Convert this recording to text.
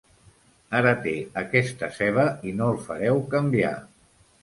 Ara té aquesta ceba i no el fareu canviar.